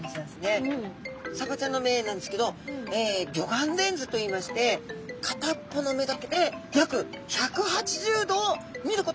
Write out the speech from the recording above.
サバちゃんの目なんですけど魚眼レンズといいましてかたっぽの目だけで約１８０度を見ることができるっていわれてます。